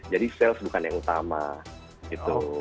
jadi sales bukan yang utama gitu